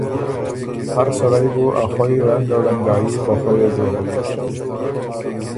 هر سړئ بُو ا خوئ ړنګه ړنګايي په خؤیه جوړوی۔